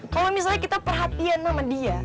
kalau misalnya kita perhatian sama dia